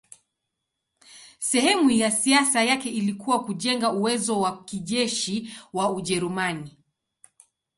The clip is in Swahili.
Sehemu ya siasa yake ilikuwa kujenga uwezo wa kijeshi wa Ujerumani.